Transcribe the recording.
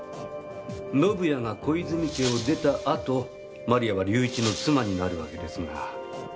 宣也が小泉家を出たあと万里亜は隆一の妻になるわけですが。